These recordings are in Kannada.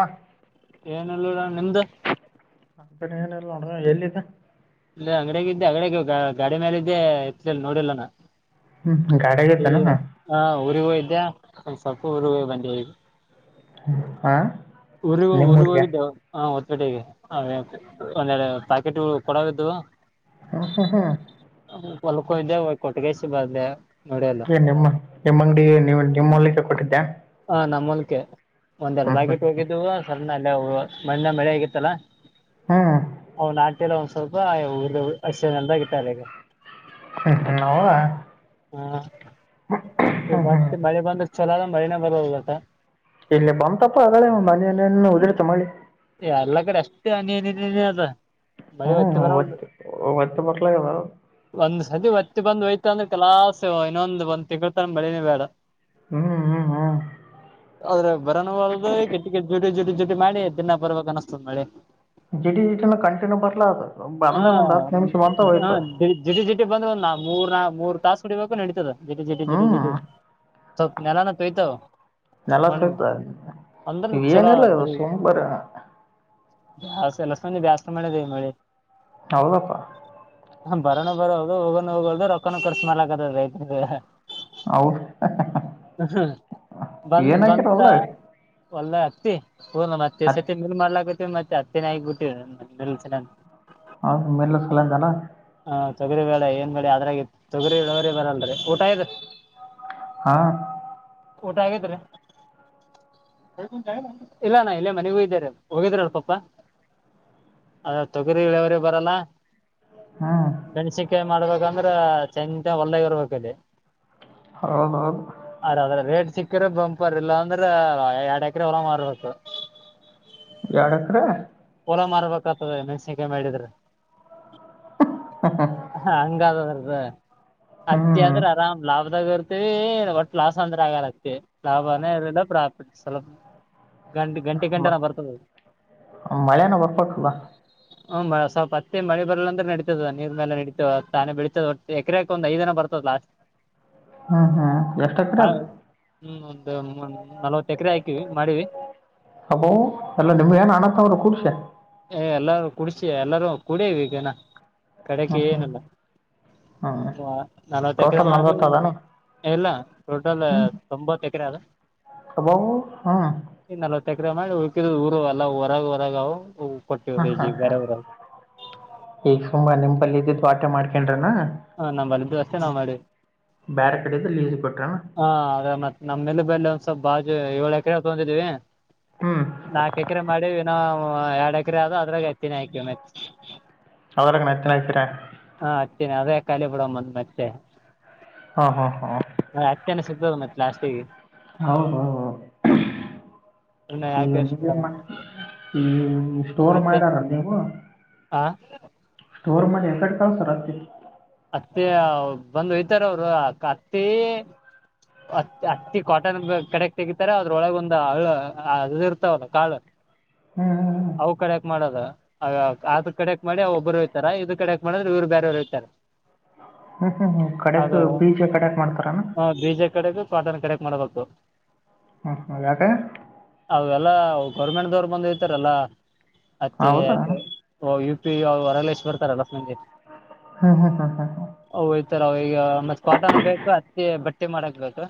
ಹ ಏನಿಲ್ ನೋಡ ನಿಮ್ದ. ನಮ್ದುನು ಏನಿಲ್ಲ ನೋಡ್ರ ಎಲ್ಲಿದ್ ಇಲ್ಲೇ ಅಂಗಡ್ಯಾಗ ಇದ್ದೆ ಅಂಗಡ್ಯಾಗ ಗಾ ಗಾಡಿ ಮ್ಯಾಲ ಇದ್ದೆ ಯತಲಿಲ್ಲ ನೋಡಿಲ್ಲನಾ. ಹ್ಮ್ ಗಾಡ್ಯಾಗ ಇತ್ತೇನ. ಊರಿಗ ಹೋಗಿದ್ಯಾ ಒನ ಸ್ವಲ್ಪ ಊರಿಗ ಹೋಗ ಬಂದೇವ ಈಗ. ಹಾ ಊರಿಗ ಊರಿಗ ಹೋಗಿದ್ದೇವು ಹ ಜೋಟಿಗಿ ಅವ ಒಂದೆಡಡ ಪಾಕೀಟಗೋಳ ಕೊಡಾವಿದ್ದು. ಹಾ ಹಾ ಹಾ ಹೋಲ್ಕ್ ಹೋಗಿದ್ಯ ಕೊಟ್ಟಗೆಸೆ ಬಂಧ್ಯ. ಏನ್ ನಿಮ್ಮ ನಿಮ್ಮ ಅಂಗಡಿ ನೀಮ್ ನಿಮ್ಮ ಹೊಲ್ಲಕ್ಕೆ ಕೊಟ್ಟಿದ್ಯಾ. ಹ ನಮ್ಮ್ ಹೊಲಕ್ಕೆ ಒಂದೆರಡು ಪಾಕೀಟ ಹೋಗಿದ್ದ್ವು ಸಣ್ಣ ಅಲ್ಲೆವು ಮನ್ನೆ ಮಳೆ ಆಗಿತ್ತಲ್ಲಾ. ಹ್ಞೂ ಅವು ನಾಟಿಲ್ಲಾ ಒಂದ್ ಸ್ವಲ್ಪ ಊರ್ದೆವು ಹಸಿ ನೆಲ್ದಾಗ ಇಟ್ಟರ ಈಗ. ನವು [unintelligible] ಈಗ ಮತ್ತ ಮಳೆ ಬಂದ್ರ ಚಲೋ ಅದ ಮಳಿನೆ ಬರಲ್ದೋಟ. ಇಲ್ಲಿ ಬಂತಪ್ಪ ಅಗಳೆ ಒಂದ ಹನೀನಿನಿ ಉದರಿತ ಮಳಿ. ಎಲ್ಲಾ ಕಡೆ ಅಷ್ಟೇ ಹನೀನಿನಿ ಅದ. ಮಳಿ ಒತ್ತಿ ಹ್ಞೂ ಬರಲ್ದು ಒತ್ತು ಒತ್ತು ಬರ್ಲಾಗದ ಒಂದ್ ಸತಿ ಒತ್ತಿ ಬಂದು ಹೊಯ್ತು. ಇಲ್ಕಂದ್ರ ಕಲಾಸ ಇನ್ನೊಂದು ಒಂದ ತಿಂಗಳ್ತನ ಮಳಿನೆ ಬ್ಯಾಡ. ಹ್ಞೂ ಹ್ಞೂ ಹ್ಞೂ ಅದ್ರಗ ಬರನುವಲ್ದು ಕಿಟ್ ಕಿಟ್ ಜುಟಿ ಜುಟಿ ಜುಟಿ ಮಾಡಿ ದಿನ್ನಾ ಬರ್ಬೇಕ ಅನ್ನಸತದ ಮಳಿ. ಜಿಡಿ ಜಿಟಿನ ಕಂಟಿನ್ಯೂ ಬರ್ಲಾ ಅದು ಹ ಬಂದ ಒಂದು ಹತ್ತು ನಿಮಿಷ ಬಂತ ಹ ಹೋಯ್ತು ಜಿಟಿ ಜಿಟಿ ಬಂದ ನಾ ಮೂರ್ ನಾ ಮೂರ್ ತಾಸ ಹೊಡಿಬೇಕು ನಡಿತದ ಜಿಟಿ ಜಿಟಿ ಹ್ಞೂ ಜಿಟಿ ಜಿಟಿ ಸ್ವಲ್ಪ್ ನೆಲನ ತೊಯ್ತಾವ. ನೆಲ ಮಣ್ಣ ಸಹಿತ ಅಂದ್ರ ಚಲೋ ಇವೇನಿಲ್ಲ ಇದು ಬೆಳಿ. ಸುಮ್ ಬರ ಬ ಎಲ್ಲ ಸಂದ ಬ್ಯಾಸ್ ಮಾಡದೇ ಮಾಡಿ [unintelligible] ಹೌದಪ್ಪಾ ಸುಮ್ಮೂನ್ ಬರನು ಬರಲ್ದು ಹೋಗನ ಹೋಗಲ್ದು ರೊಕ್ಕನು ಖರ್ಚ್ ಮಾಡ್ಲಗತದ ರೈತರದ. ಹೌದು ಬಂದ ಬಂತ. ಏನಾಗಿರಲ್ಲ ಹೋಲ್ದಾಗ ಹತ್ತಿ ಹ ಮತ್ತೆ ಹತ್ತಿ ಸತಿ ಮೇಲ್ ಮಾಡ್ಲಕ್ ಬಿಟ್ಟೀವಿ ಮತ್ತೆ ಹತ್ತಿನೇ ಹಾಕ್ ಬಿಟ್ಟಿವ ಮಲ್ಸ [unintelligible] ಹಾ ಮೇಲೆ ಸಲ್ಲಂತಲ್ಲ ಹ ತೊಗರಿ ಬೇಳೆ ಏನ್ ಬೆೇಳೆ ಅದ್ರಾಗಿ ತೊಗರಿವರಿ ಬರಲ್ರಿ ಊಟ ಆಗ್ಯದ್ರಿ ಹಾ ಊಟ ಆಗ್ಯದ್ರಿ ಇಲ್ಲ ಅಣ್ಣ ಇಲೇ ಮನಿಗ ಹೋಗಿದ್ದೆರಿ ಹೋಗಿದ್ರ ಅಲ್ ಪಪ ಅದ ತೊಗರಿ ವ್ಯವರೀ ಬರಲ್ಲ ಹ್ಞೂ ಮೆಣಸಿಕಾಯಿ ಮಾಡ್ಬೇಕಂದ್ರೆ ಚೆಂತನ ಹೂಲದಾಗ ಇರ್ಬೇಕಲ್ಲಿ ಹೌದೌದು ಸಿಕ್ಕರೆ ಬಂಪರ್ ಇಲ್ಲ ಅಂದ್ರ ಎರಡ್ ಎಕರೆ ಹೊಲ ಮಾರಬೇಕ ಎರಡ್ ಎಕರೆ ಹೂಲ ಮಾರ್ಬೇಕತದಾ ಮೆಣಸಿಕಾಯ ಮಾಡಿದ್ರೆ ಹಂಗಾದ ಅದರದ ಹ್ಞೂ ಅತ್ತಿಂದ್ರ ಆರಾಮ್ ಲಾಭ ದಾಗ ಇರ್ತೀವಿ ಒಟ್ ಲಾಸ್ ಅಂದ್ರ ಆಗಲ ಅಷ್ಟೇ ಲಾಭನೇ ಇರಲಿಲ್ಲ ಪ್ರಾಫಿಟ್ ಸ್ವಲ್ಪ ಗಂ ಗಂಟೆ ಗಂಟೆ ನಾ ಬರ್ತದೆ ಮಳೆನ ಬರಬೇಕಲ್ಲ ಹ್ಮ ಸ್ವಪ ಹತ್ತ ಮಳ ಬಲ ಅಂದ್ರೆ ನಡತದ ನೀರ್ ಮೇಲೆ ನಡೀತದೆ ತಾನೆ ಬೆಳಿತದ ಎಕರೆಕೆ ಒಂದ ಐದಿನ ಬರ್ತದ ಲಾಸ್ ಹ್ಮ್ ಹ್ಮ್ ಎಷ್ಟ ಎಕರೆ ಆದ ಅ ಒಂದ ನಲ್ವತ್ತ ಎಕರೆ ಹಾಕಿವಿ ಮಾಡಿವಿ ಅಬ್ಬಬ ಎಲ್ಲ ನಿಮ್ಮವೆ ಏನ ಅಣ್ಣ ತಮ್ಮ ಅವರ ಕೊಡ್ಸೆ ಷ ಎಲ್ಲರೂ ಕೊಡೇವ ಈಗನಾ ಹ್ಞೂ ಕಡೆಗೆ ಹ್ಞೂ ಏನಲ್ಲ ಹ್ಞೂ ನಲವತ್ತ ಎಕರ ಟೋಟಲ್ ಮಾಡಿ ನಲ್ವತ್ತು ಅದಾನೆ ಏ ಇಲ್ಲ ಟೋಟಲ್ ತೊಂಬತ್ ಎಕರೆ ಅದ ಅಬ್ಬಬ್ಬಾ ಹ್ಮ ತಕ್ರ ಉಳಿಕಿದವು ಊರು ಅಲ್ಲ ಹೊರಗ ಹೊರಾಗಾವ ಹ್ಮ ಹಾ ಹ್ಮ ಈಗ ಸುಂಬ ನಿಂಬಲ್ಲಿ ಇದ್ದಿದ್ದ ಆಟೆ ಮಾಡ್ಕ ಹ ನಮಲ್ಲಿದ ಅಷ್ಟೆ ನಾವ್ ಮಾಡಿ ಬೇರೆ ಕಡೆದು ಲೀಸ್ ಕೊಟ್ರನ ಹಾ ಅದ ಮತ್ತ್ ನಮ್ಮೇಲೆ ಬೆಲೆ ಒಂದ್ ಸ್ವಲ್ಪ ಬಾಜು ಏಳ ಎಕರೆ ತಗೊಂಡಿದ್ವಿ ಹ್ಞೂ ನಾಕ ಎಕರೆ ಮಾಡಿವಿ ಇನ ಹ ಎರಡ್ ಎಕರೆ ಆದ‌ ಅದ್ರಾಗ ಎತ್ತಿನಿ ಹಾಕಿವಿ ಮತ್ತೆ ಅದರಾಗನ ಹತ್ತಿನೇ ಹಾಕಿರಾ ಹೇ ಅದೇ ಖಾಲಿ ಬಿಡಂದ್ ಮತ್ತೆ ಹಾಂ ಹಾಂ ಹಾಂ ಅತ್ತೆನ ಸಿಗ್ತದ ಮತ್ತೆ ಲಾಸ್ಟಿಗಿ ಹೌದೌದೌ ಸುಮ್ನೆ ಈಗ ಯಾಕ್ ವೇಸ್ಟ್ ನೀವೆನ ಮಾಡ ಮಾಡೋದಂತ ಈ ಸ್ಟೋರ್ ಮಾಡ್ಯಾರ ನೀವು ಹಾ ಸ್ಟೋರ್ ಮಾಡಿ ಎಕಡ ತಳತ್ತಾರ ಅತ್ತಿ ಅತ್ತಿ ಬಂದು ಹೋಯ್ತಾರ ಅವರು ಅಕ್ಕ ಅತ್ತಿ ಅತ್ತಿ ಕಾಟನ್ ಕಡೆಕ್ ತೆಗಿತಾರ ಅದ್ರೊಳಗ ಒಂದು ಹಳ ಅದಿದು ಇರ್ತಾವಲ್ಲ ಕಾಳು ಹ್ಞೂ ಅವು ಕಡೆಯಾಕ ಮಾಡದ ಅದ ಕಡೆಕ್ ಮಾಡಿ ಅವ ಒಬ್ರು ಹೋಯತಾರ ಇದ್ ಕಡೆಕ್ ಮಾಡಿದ್ರೆ ಇವ್ ಬೇರೆಯವರ ಹೋಯತಾರ ಹ್ಮ್ ಹ್ಮ್ ಹ್ಮ ಕಡಕ್ ಬೀಜ ಕಡಕ್ ಮಾಡ್ತಾರನಾ ಪಾಟ ಕೆಡೆಕ್ ಮಾಡ ಗೊು ಹ್ಮ್ ಹ್ಮ್ ಯಾಕ ಗೌರ್ಮೆಂಟ್ ದವರು ಬಂದುತಾರಲ್ಲ ಅತ್ತೆ ಹೌದಾ ಹ್ಞೂ ಹೊರಲೇಶ್ ಬರ್ತಾರಲ್ಲ ಎಲ್ಲಸ್ ಮಂದಿ ಹಾ ಹಾ ಹಾ ಹ ಹ ಇರ ಈಗ ಮತ್ ಕಾಟನ ಬೇಕು ಅತ್ತಿ ಬಟ್ಟಿ ಮಾಡಕ್ ಬೇಕು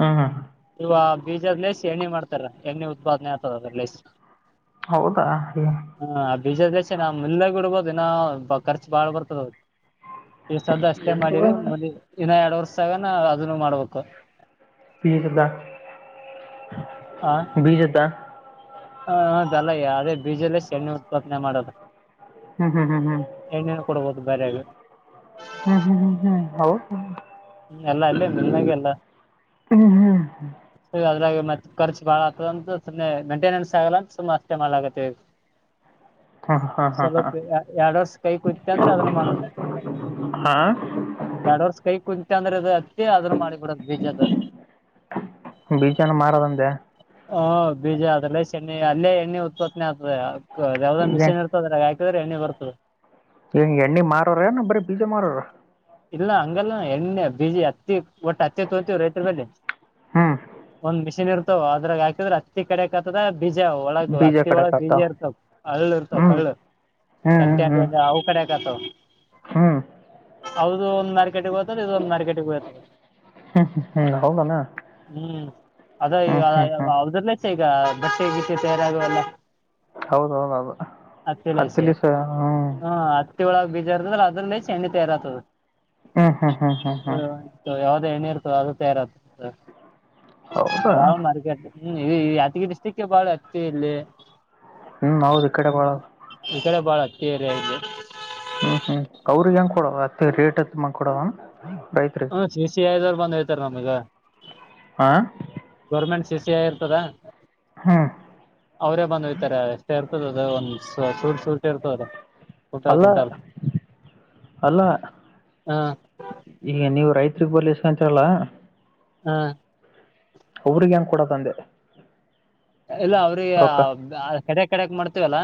ಹಾ ಹಾ ಬೀಜದ್ ಲೇಸ್ ಎಣ್ಣಿ ಮಾಡ್ತಾರ ಎಣ್ಣಿ ಉತ್ಪಾದನೆ ಆಗ್ತದ ಅದರ ಲೇಸ್ ಹೌದಾ ಹ ಆ ಬೀಜದಸೆ ನಾವ ಮಿಲನ್ಯಾಗು ಇಡಬಹುದು ದಿನ ಖರ್ಚ ಬಾಳ್ ಬರ್ತದ ಈಸದ ಅಷ್ಟೇ ಮಾಡಿವ ಮುದಿ ಇನ್ನ ಎರಡ್ ವರ್ಷದಾಗನ ಅದನ್ನು ಮಾಡ್ಬೇಕು ಬಿ ಸದ ಬಿ ಸದ ಹ ಹೌದಲ್ಲ ಅದೇ ಬೀಜಲ್ಲೇ ಸಣ್ಣೆ ಉತ್ಪಾದನೆ ಮಾಡದು ಹ್ಮ್ ಹ್ಮ್ ಹ್ಮ್ ಹ್ಮ್ ಕೊಡ್ಬೋದು ಬೇರೆ ಹ್ಮ್ ಹ್ಮ್ ಹ್ಮ್ ಹ್ಮ್ ಹ ಹ್ಮ ಎಲ್ಲ ಅಲ್ಲಿ ಮಲ್ನಾಗ ಎಲ್ಲ ಹ್ಞೂ ಹ್ಞೂ ಮತ್ತತ್ ರ್ಚ್ ಬಾಳ ಆಗ್ತದ ಅಂತ ಸುಮ್ಮನೆ ಮೈಂಟೆನೆನ್ಸ್ ಆಗಲ್ಲ ಅಂತ ಸುಮ್ಮ ಅಷ್ಟೆಮ ಆಗೆ ಹಾಂ ಹಾಂ ಹಾಂ ಹಾಂ ಸ್ವಲ್ಪ ಎರಡ್ ವರ್ಷ ಕೈ ಕುೂತ್ತೆ ಅಂದ್ರೆ ಅದನ್ನು ಮಾಡದು ಹಾಂ ಎರಡ್ ವರ್ಷ ಕೈ ಕುಂಂತ ಅಂದ್ರೆ ಅದು ಅತ್ತಿ ಅದ್ರ ಮಾಡಿ ಬಿಡದ್ ಬೀಜದ ಬೀಜನ ಮಾರದಂದೆ ಹ ಬೀಜ ಅದ್ರಲ್ಲ ಶಣ್ಣಿ ಅಲ್ಲೇ ಎಣ್ಣೆ ಉತ್ಪತ್ತನೆ ಆಗ್ತದೆ ಯಾವ್ದ್ ಮಿಶೀನ್ ಇರ್ತದ್ರಾಕಿ ್ರ ಎಣ್ಣ ಬರ್ತದೆ ಈಂಗ ಎಣ್ಣೆ ಮಾರೋ್ರ ನ ಬರೀ ಬೀಜ ಮಾರೋ್ರ ಇಲ್ಲ ಹಂಗಲ್ಲ ಎಣ್ಣೆ ಬೀಜಿ ಹತ್ತಿ ಒಟ್ಟು ಹತ್ತೆ ತಗತೀವ ರೈತರ ಬೆಲ್ಲಿ ಹ್ಞೂ ಒಂದ್ ಮ ಇರ್ವ ಅದಾಗ ಹಾಕಿದ್ರ ಅಿ ಕಡೆ ಆಗ್ತದ ಬೀಜ ಒಳಗ ಬೀಜ ಹತ್ತಿ ಒಳಗ್ ಕಡಕತ್ತ ಬೀಜ ಇರ್ತಾವ ಹಳ್ಳು ಇರ್ತಾವ ಹ್ಮ್ ಕಳ್ಳು ಎಂಟ ಎಂಟ ಅಂದ್ರ ಅವವು ಕಡೆಕತ ಹ್ಮ ಹೌದು ಒಂದ್ ಮಾರ್ಕೆಟಿಗೆಗ ಹೋ್ತದೆ ಇದು ಒಂದ್ ಮಾರ್ಕೆಟಿಗೆ ಹೋಗಯ್ತದೆ ಹ್ಮ್ ಹ್ಮ್ ಹೌದನಾ ಹ್ಮ್ ಅದ ಹ್ಮ್ ಹ್ಮ್ ಹ್ಮ್ ಅವದಲ್ಲ ಈಗ ಬಸ್ಸ ಹೇಗಿತ್ತು ತಯಾರಾಗುವ ಎಲ್ಲ ಹೌದೌದೌದು ಹತ್ತಲಸ ಹ್ಮ್ ಒಳಗ್ ಬೀಜಾರದ್ರ ಅದ್ರಲ್ಲೇ ಚಂಡಿ ತಯಾರ ಆತದ ಹ್ಮ್ ಹ್ಮ್ ಹ್ಮ್ ಹ್ಮ್ ಹ್ಮ್ ಎಣ್ಣ ಇರ್ತ ಅದು ತಯಾರ ಹೌದಾ ಬಾ ಮಾರಕ ಹ್ಮ್ ಇ ಯತಿಗಿ ಡಿಸ್ಟಿಕ್ಗೆ ಬಾಳ ಅಚ್ಚ ಇಲ್ಲಿ ಹ್ಮ್ ಹೌದು ಈ ಕಡೆ ಬಾಳ ಳ ಬಾಳ ಅಚ್ಚರಿದು ಹ್ಮ್ ಹ್ಮ್ ಅವ್ರಿಗೆ ಹೆ್ ಕೊಡವ ಅತ್ತ ರೇಟ್ತ್ ಮಾಡ್ಕೊಡವ ಹ್ಮ ಸಿ ಸಿ ಐದವ್ರು ಬಂದ್ ಹೇತಾರೆ ನಮೀಗ ಹ ಸಿ ಇರ್ತದ ಅವರೇ ಬಂದುೋಯ್ತಾರೆ ಎಷ್ಟೇ ಇತ ಇರ್ತದ ಅದ ಒಂದ್ ಚೂಟ್ ಶೂಟ ಇರ್ತದ ಕುಂಟಾ ಅಲ್ಲ ಕುಂಟಾಲ್ ಅಲ್ಲ ಹಾ ಈಗ ನೀವು ರೈತ್ರಿಗೆ ಬರ್ಷ್ಟಕಂತರಲ್ಲ ಹಾ ಅವ್ರಿಗೆ ಹೆಂಗ ಕೂಡ ತಂದೆ ಇಲ್ಲ ಅವ್ರಿಗೆ ಕಡ ಕಡಕ್ ಮಾಡ್ತೇವಲ್ಲ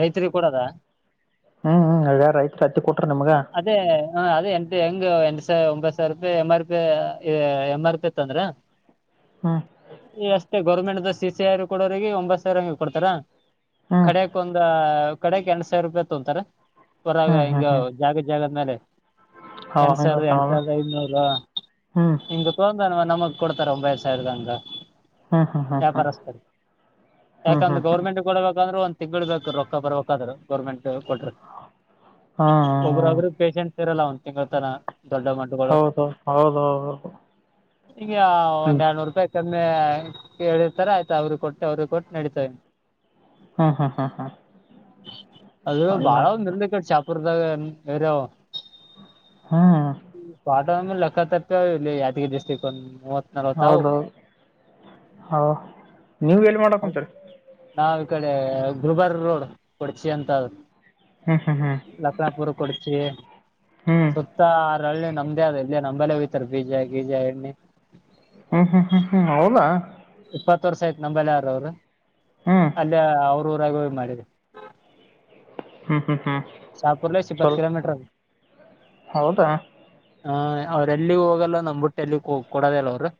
ರೈತರಿಗೆ ಕೂಡದ ಹ್ಮ್್ಮ್ ರೈತ ರತ್ತ ಕೊಟ್ಟ ಅದೇ ಹ ಅದೇ ಎಂತ ಹೆಂಗ್ ಎಂಟ ಸಾವಿ ಒಂಬತ್ತು ಸಾವಿರ ರೂಪಾಯಿ M R P M R ಪಿತ್ಂದ್ರ ಹ್ಮ್ ಈ ಅಷ್ಟೇ ಗೌರ್ಮೆಂಟ್ ದ ಸ ಸಿ ಆರು ಕೊಡೋರಿಗೆ ಒಂಬತ್ ಸಾವಿರ ಹಂಗೆ ಕೊಡ್ತಾರ ಹ್ಮ್ ಕಡಕ್ ಒಂದ ಕಡಕ್ ಎಂಟ ಸಾವಿರ ರೂಪಾಯಿ ತೊಂತಾರೆ ಹೊರಾಗ ಹ್ಮ್ ಹಿಂಗ ಹ್ಮ್ ಹ್ಮ್ ೇ ಹಾ ಸಾವ ಹಂಗತನಲ್ಲ ಸಾವಿ ಹ್ಮ್ ನೂ ತ ನಮ್ ಕೊಡ್ತಾರೆ ಒಂಬೈರ್ ಸಾವಿರದಂಗ ಹ್ಮ್ ಹ್ಮ್ ಹ್ಮ್ ವ್ಯಾಪಾರಸ್ತಾರೆ ಹ್ಮ್ ಹ್ಮ್ ಯಾಕಂದ್ರೆ ಹ್ಮ್ ಹ್ಮ್ ಗೌರ್ಮೆಂಟ್ ಕೊಡಬೇಕಂದ್ರೆ ಒ ತಿಗಳ್ಬೇಕು ರೊಕ್ಕ ಬರಕ್ಕದರು ಗೌರ್ಮೆಂಟ್ ಕೊಟ್ರ ಹಾ ಒಬ್ಬರುೊಬ್ರು ಪೇಷೆಂಟ್ ಇರಲ್ಲ ಒಂದ್ ತಿಂಗಳ ತರ ಹೌದೌದು ಹೌದ ಹೌದುದು ಈಗ ಒಂದ ಎರಡ್ನೂ ರೂಪಾಯಿ ಕಮ್ಮೆ ಕಿರ್ತಾರ ಆಯ್ತಾ ಅವ್ರ ಕೊಟ್ಟು ಅವ್ರ ಕೊಟ್ಟು ನಡೀತವೆ ಹ್ಮ್ ಹ್ಮ್ ಹ್ಮ್ ಅದು ಹ್ಮ್ ಬಾಳ ಅ ಒ ಇರ್ದ ಕ ಚಾಪರ್ ರ ಹ್ಮ್ ಲೆಕ್ಕ ತ ಇ ಯಾದಗಿ ಡಿಸ್ಟ್ರಿಕ್ ಒಂದು ಮೂವ ಹೌದೌದು ಹ ನೀವ ಎಲ್ಲಿ ಮಾಡಕ್ಂತರಿ ನಾವ್ ಈ ಕಡೆ ಗರುಬರ್ ರೋಡ್ ಕೊಡ್ಚಿ ಅಂತ ಹ್ಮ್ ಹ್ಮ್ ಹ್ಮ್ ಲಕ್ಷನಪುರ ಕೊಡಚಿ ಹ್ಮ್ ಸುತ್ತ ಆರಳ್ಳ ನಮ್ದೇ ಅ ಇಲ್ಲಿ ನಂಬಲ್ಲೇ ಹಯ್ತಾರೆ ಬೀಜ ಬೀಜ ಎಣ್ಣೆ ಹ್ಮ್ ಹ್ಮ್ ಹ್ಮ್ ಹ್ಮ್ ಹೌದಾ ಹ ವರ್ಸ ಆಯ್ತ್ ನಂಬಲ್ಾರ ಅವರು ಹ್ಮ್ ಅಲ್ಲಿ ಅವ್ರ ಊರಾಗ ಮಾಡಿದ ಹ್ಮ ಶಾಪುರ್ ಲ ಇಪ್ಪತ್ತು ಕಿಲಮೀಟರ್ ಹೌದಾ ಹಾ ಅವ್ರೆಲ್ಲಿ ಹೋಗಲ್ಲ ನಮ್ ಬುಟ್ಟೆ ಎಲ್ಲಿ ಕೊಡೋದಲ್ಲ ಅವ್ರು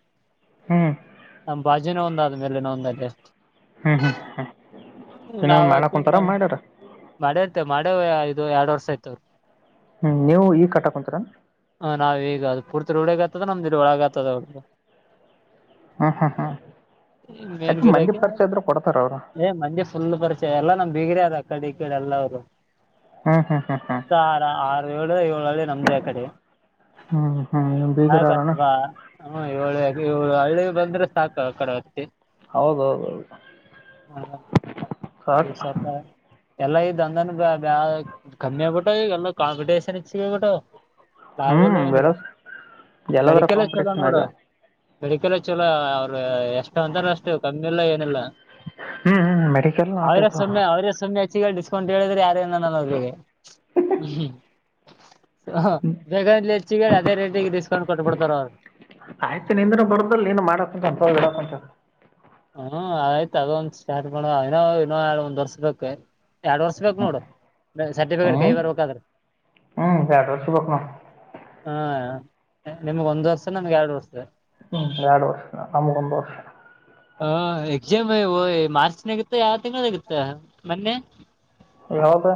ಹ್ಮ್ ನ ಒಂದ್ಾದ್ಮೇಲೆನ ಒಂದಲ್ಲಿ ಹ್ಮ್ ಹ್ಮ್ ಹ್ಮ್ ಇನ್ನೊಂದು ನಾವ್ ಮಾಡಕ್ ಯಾಕ ಕುಂತಾರ ಮಾಡ್ಯಾರ ಮಾಡ ಮಾಡೇ ಇದು ಎರಡ್ ವರ್ಷ ಆಯ್ತವ್ರರು ಹ್ಮ್ ನೀವು ಈ ಕಟ್ಟಕ್ ಕುಂತರ ಹ್ಮ್ ನಾವ್ ಈಗ ಅದು ಪೂರ್ತಿ ೋಳಗ ಆಗ್ತದ ನಮ್ದಿ ಒಳಗ ಆತದಗ ಹ್ಮ ಹ್ಮ ಹ್ಮ ಮೇನ್ಗಿರಕಯ ಅವ್ರು ಏ ಮಂದೆ ಫುಲ್ ಪರಿಚಯ ಎಲ್ಲಾ ನಮ್ದ ಬಿಗ್ರ ಅದ ಕಡೆ ಕಡೆ ಎಲ್ಲ ಅವರು ಹ್ಮ್ ಹ್ಮ್ ಹ್ಮ್ ಹ್ಮ್ ಸತ್ತ ಆರ ಆರು ಏಳು ಏಳಳೆ ನಮ್ದೇ ಆ ಕಡೆ ಹ್ಮ್ ಹ್ಮ್ ಬೇಜಾರಣ ಹ್ಮ ಏಳ ಹಳ್ಳಿ ಬಂದ್ರೆ ಸಾಕು ಆ ಕಡೆ ಹೊತ್ತತಿ ಹೌದೌದೌದು ಸಾಕ ಸ್ವಲ್ಪ ಎಲ್ಲಾ ಈ ದಂದನ್ ಬ ಕಮ್ಮಿ ಆಗ್ಬಿಟ್ಟು ಈಗ ಎಲ್ಲ ಕಾಂಪಿಟೇಷನ್ ಇಚ್ಬಿಟ್ಟ ಲಾವೆಲ್ಲ ಹ್ಮ್ ಬೆಲ ಏನಿಲ್ಲ ಎಲ್ಲದರ ಮಡಿಕಲ್ಲಷ್ಟ ಎಲ್ಲ ಕಾಂಪಿಟೇಷನ್ ಆಗ ನೋಡುವ ಮೆಡಿಕಲ್ ಚಲೋ ಅವ್ರ ಎಷ್ಟ ಅಂತಾರ ಅಷ್ಟು ಕಮ್ಮಿ ಇಲ್ಲ ಏನಿಲ್ಲ ಹ್ಮ್ ಹ್ಮ್ ಮೆಡಿಕಲ್ ನಾಟ್ ಅವರೇ ಆಯ್ತು ಸಮಯ ಅವರೇ ಸಮಯ ಗ ಡಿಸ್ಕೌಂಟ್ ಹೇಳಿದ್ರೆ ಯಾರ ಏನಾನ್ರಿಗೆ ಹ್ಮ ಬೇಗ ಲೇರ್ಚಿಗೆ ಹೇಳಿ ಅದೇ ರೇಟಿಗೆ ಡಿಸ್ಕೌಂಟ್ ಕೊಟ್ಟಬ ಬಿಡ್ತಾರ ಅವ್ರರು ಆಯ್ತು ನಿಂದ್ರ ಬರ್ದಲ್ ನೀನು ಮಾಡಕ್ಡಕ್ಂಂತ ಹ್ಮ ಆಯ್ತ ಅದ ಒಂದ್ ಸ್ಟಾರ್ಟ್ ಮಾಡ ನೋ ಇೋ ಒಂದ್ ವರ್ಸ್ ಬ ಎರಡ್ ವರ್ಸ್ ಬೇಕು ನೋಡು ಸರ್ಟಿಫಿಕೇಟ್ ಕೈ ಹ್ಮ್ ಬರ್ಬೇಕಾದ್ರ ಹ್ಮ್ ಎರಡು ವರ್ಷ ಬೇಕು ನಾವು ಹಾ ನಿಮ್ಗ್ ಒಂದ್ ವರ್ಷ ನಮ್ಗೆ ಎರಡು ವರ್ಷ ಹ್ಮ್ ಎರಡು ವರ್ಷಾ ನಮಗೆ ಒಂದು ವರ್ಷ ಹ ಎಕ್ಸಾಮ್ಯ ಮಾರ್ಚ್ನಗಿತ್ತ ಯಾವ ತಿಂಗಗಳಗತ್ತ ಮೊನ್ನೆ ಯ ಹದು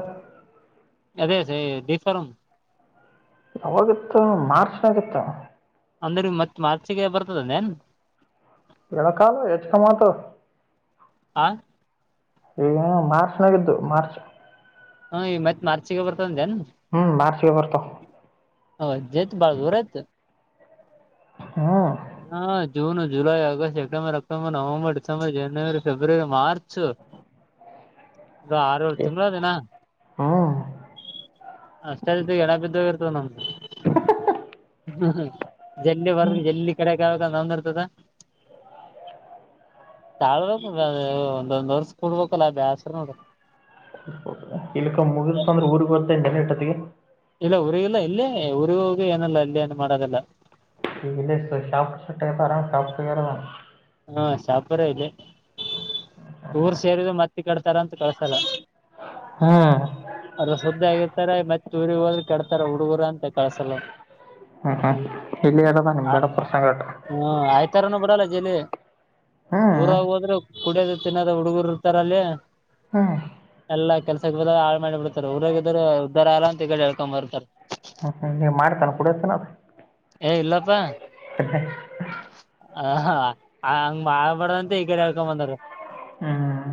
ಅದೇ ಸ ದಫಾರಂ ಯಾವಾಗತ್ತು ಮಾರ್ಚ್ನಗತ್ತು ಅಂದ್ರ ಮತ್ ಮಾರ್ಚಿಗೆ ಬರ್ತದಂದೇನ್ ಇಳಕಾಲ ಹೆಚ್ಚಕ ಮಾತ ಆ ಈ ಮಾರ್ಚ್ನಾಗಿದ್ದು ಮಾರ್ಚ್ ಹ್ಮ ಈ ಮತ್ ಮಾರ್ಚಿಗೆ ಬರ್ತಂದ ಏನ್ ಹ್ಮ್ ಮಾರ್ಚ್ಗೆ ಬರ್ತಾವ ಹೌ ಜತ ಬಳ ದೂರತ ಹಾ ಹಾ June July August September October November December January February March ಅದು ಆರವರೆ ತಿಂಗಳು ಅದಿನ ಹ್ಮ್ ಅಷ್ಟ ಎಳ ಬಿದ್ದ ಇರ್ತವ ನಮ್ದು ಜಲ್ಲಿ ಬರ್ ಜಲ್ಲಿ ಕೆಡೆ ನಂದರ್ತದ ತಾಳ ಅ ಒಂದೊಂದ್ ವರ್ಷ ಕೂಡ್ಬೇಕಲ್ಲ ಬ್ಯಾಸ್ರ ನೋಡ್ರಿ ಇಲ್ಲಿಕ್ಕ ಮುಗರ್ತ ಅಂದ್ರೆ ಊರಿಗೆಗ್ ಬರ್ತಾ ಇಟರ್ನೆಟ್ತ್ತಿಗೆ ಇಲ್ಲ ಊರಿಗಲ್ಲ ಇಲ್ಲೇ ಊರಿಗೆ ಹೋಗಿ ಏನಲ್ಲ ಇಲ್ಲ ಏನು ಮಾಡದೆಲ್ಲ ಇ ಾಪ್ ಆರ ಾಪ್ ಹ್ಮ ಶಾಪುರ ಇದೆ ಊರ್ ಸೇರಿದ ಮತ್ತಿ ಕಡ್ತಾರ ಅಂತ ಕಳ್ಸಲ್ಲ ಹ್ಮ್ ಅದ ಶುದ್ದ ಆಗಿರ್ತಾರೆ ಮತ್ತೆ ತುರಿ ಹೋದ ಕೆಡತಾರ ಹುಡುಗರು ಅಂತ ಕಳ್ಸಲು ಹ್ಮ್ ಹ್ಮ್ ಇಲ್ಲಿ ಅದದ ನಿಮ್ ಆ ದೊಡ್ಡಪ್ಪರ ಸಂಗಟ ಹ್ಮ ಆಯ್ತಾರನ ಬಿರಲ್ಲ ಜಲಿ ಹ್ಮ್ ಊರಾಗ ಹೋದ್ರೆ ಕುಡಿಯೋದ ತಿನ್ನೋದ ಹುಡುಗರು ಇರ್ತಾರಲ್ಲಿ ಹಾ ಎಲ್ಲ ಕೆಲ್ಸ ಬದಾಗ ಹಾಳ್ ಮಾಡಿ ಬಿಡ್ತಾರೆ ಊರಾಗ ಇದ್ ಉ್ದಾರ ಅಲ್ಲ ಅಂತ ಹೇಳೇಳಿೇಳ್ಕೊಂಡ್ ಬರ್ತಾರೆ ಹ್ಮ್ ಹ್ಮ್ ನೀ ಮಾಡ್ತಾನ ಕುಡತನ ಏ ಇಲ್ಲಪ್ಪಾ ಹ ಹಂಗ್ ಮಾಡಳ್ಬಾರ್ದಂತ ಈಗಡೆ ಹೇಳ್ಕೊ ಬಂದಾರ ಹ್ಮ್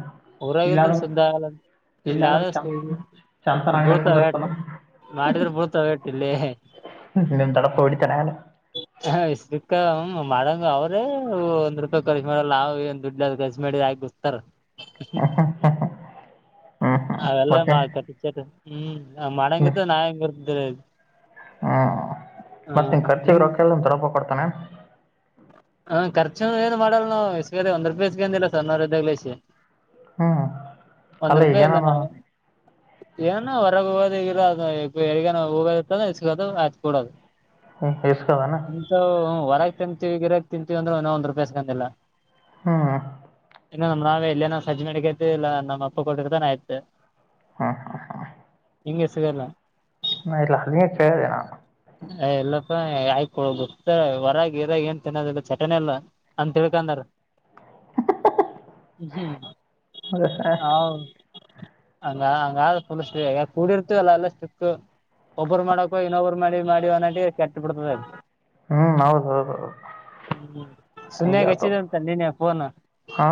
ಊರಗದ ಇಲ್ಲಾದ್ರೂ ಸಧ ಆಲ್ಲ ಇಲ್ಲಿ ಇಲ್ಲಾದ್ರೂ ಯಷ್ಟ ಚಂದ ಚಂತನ ಅಂಗಡಿ ಭೌತ್ಯಾಟ ಕುಂದಿರ್ತಾನ ಮಾಡಿದ್ರೆ ಬಡ್ತಾವೇಟ್ ಇಲ್ಲಿ ಹ್ಮ ನಿ ತಡಪ್ಪ ಓಡ ತಾನಾನ ಹಕ್ಕ ಮಾಡಂಗ ಅವ್ರೇ ರೂಪಾಯ ಕರ್ಚಿ ಮಾಡಲ್ಲಾವು ಏ ದುಡ್ಡ ಕರ್ಚಿ ಮಾಡಿ ಆಾಿ ಗುತಾರ ಹ್ಮ್ ಹ್ಮ್ ಹ್ಮ್ ಹ್ಮ್ ಅವೆಲ್ಲ ಮತ್ತೆ ಮಾ ಕಟ್ಟಚ ಹ್ಮ್ ನ ಮನೆಂಗತ್ತ ನಾ ಹೆಂಗಗೆ ಬರ್ದು ಹ್ಮ್ ಮತ್ತೆ ನಿನ್ ನಿಮ್ ಖರ್ಚಿಗೆರೋಕಲ್ಲ ತೊಪ ಕೊಡ್ತಾನೆ ಹಾ್ಖರ್ು ಏನು ಮಾಡಲ್ಲ ನವು ಇಸ್ಗ ಒಂದ್ ರೂಪಾಯಿಸ್ಗೆಂದಿಲ್ಲ ಸ ನೂರ್ದಾಗ್ಲಸ ಹ್ಮ್ ಒಂದ ಅಲ್ಲ ರೂಪಾಯ ಎಲ್ಲ ಏನಾನ ನ ಏನಾನ ಹೊರಗ ಹೋಗೋದ ಈಗಿಲ್ಲ ಅ ಎಗ ಹೋಗೋದತ್ತ ಇಗೋದು ಆಯ್ತ ಕೂಡೋದು ಇಸ್ಕದಾನ ನಿಂತ ಹೊರಗೆ ತಿಂತೀವಿ ಗಿರಕ್ ತಿಂತೀವಿ ಅಂದ್ರೆ ಒಂದ್ ರೂಪಾಯಿ ಸಿಕೊಂಡಿಲ್ಲ ಹ್ಮ್ ಇನ್ನು ನಮ್ ನಾವೇ ಎಲ್ಲೇ ನಾ ಸಜ್ಜ್ ಅಡಗೈಐತೆ ಇಲ್ಲ ನಮ್ಮಪ್ಪ ಕೊಟ್ಟಿರ್ತಾನೆ ಆಯತತೆ ಹಾ ಹಾ ಹಾ ಹೆಂಗೆ ಸಿಗಲ್ಲ ನ ಲ ಚೆನ ಹ ಆಯ್ಕೊ ಗೊತ್ತ ಹೊರಗ ಇದದಾಗ ಏನ್ ತಿನ್ನೋದಿಲ್ಲ ಚಟನಿ ಎಲ್ಲ ಅಂತ ತಿಳ್ಕಂದಾರ ಹ ನಾನು ಹೌ ಹಂಗಫ ಕೂಡಿರ್ತ ಅಲ್ಲ ಎಲ್ಲ ಸಿಿಕ್ಕ ಒಬ್ಬರು ಮಾಡಕ ಇನ್ನೊಬ್ಬರು ಮಾಡಿ ಮಾಡಿ ಅನಟಿಗೆ ಕೆಟ್ಟ ಬಿಿಡ್ತದೆ ಹ್ಮ್ ಹೌದ್ ಹೌದ್ ಹೌದ್ ಹ್ಮ್ ಹಂಗೆ ಸುನ್ಯಾಗ ಆತು ಹಚ್ಚಿದೆ ಅಂತ ನೀನ ಫೋನ್ ಹಾ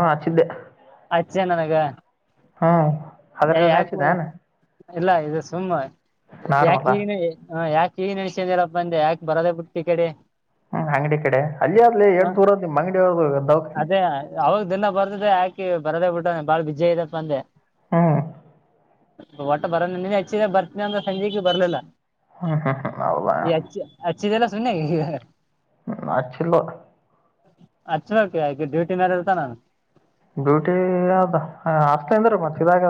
ಅಚ್ಚೆ ನನಗ ಹಾ ಯಾಕು ಇಲ್ಲ ಇದು ಸುಮ್ಮ ನಾರ್ಮಲ ಯಾಕಗ ಯಾಕ ಈ ನೆಸಂದಿರಪ್ಪ ಅಂದ ಯಾಕೆ ಬರೋದ ಬಿಟ್ಟ ಈ ಕಡೆ ಹ್ಮ್ ಅಂಗಡಿ ಕಡೆ ಅಲ್ಲಿ ಅಗ್ಲ ಹ ಎರಡ್ ದೂರದ ಅದೇ ಅವಾಗ ದಿನ ಬರ್ದಿದೆ ಯಾಕ ಿ ಬರದೇ ಬಿಟ್ಟಾನ ಬಾಳ ಬಿಜ್ಜ್ ಇದದಪ್ಪ ಅಂದೆ ಹ್ಮ ಒಟ ಬರೋ ನಿನ್ನ ಹೆಚ್ಚಿದ ಬರ್ತೀನಿ ಅಂದ್ರೆ ಸಂಜೆೆಗೆ ಬರ್ಲಿಲ್ಲ ಹ್ಮ್ ಹ್ಮ್ ಹ್ಮ್ ಹೌದಾ ಏ ಅ ಅಚ್ಚಿ ಏನ ಸುನ್ಯಗ ಹ್ಮ ಅಚ್ಚಿಲ್ಲ. ಅಚ್ಚಬೇಕು ಡ್ಯೂಟಿ ಮೇಲೆ ಇರತನ್ ನನ. ಡ್ಯೂಟಿ ಆದ ಹಸ್ತನಿಂದ್ರು ಮತಾ ಇದಾಕಿ